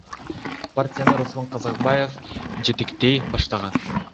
Партияны Руслан Казакбаев жетектей баштаган.